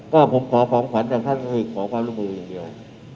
ก็ผมขอของขวัญจากท่านก็คือขอความร่วมมืออย่างเดียว